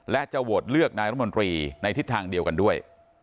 และจะโหวตเลือกนายรมนตรีในทิศทางเดียวกันด้วย